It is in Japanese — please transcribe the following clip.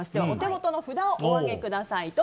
お手元の札をお上げください。